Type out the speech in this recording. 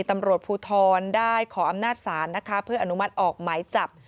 ตำรวจภูทรได้ขออำนาจศาลนะคะเพื่ออนุมัติออกหมายจับ